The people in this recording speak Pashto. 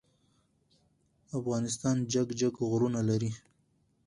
افغانستان جګ جګ غرونه لری.